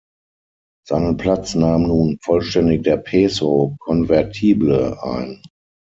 Seinen Platz nahm nun vollständig der Peso convertible ein.